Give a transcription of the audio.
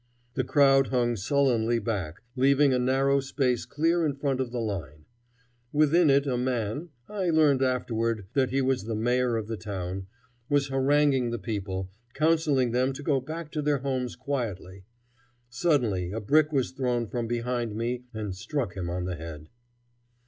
The crowd hung sullenly back, leaving a narrow space clear in front of the line. Within it a man I learned afterward that he was the Mayor of the town was haranguing the people, counselling them to go back to their homes quietly. Suddenly a brick was thrown from behind me and struck him on the head.